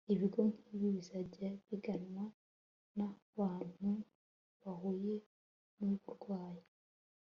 Ibigo nkibi bizajya biganwa nabantu bahuye nuburwayi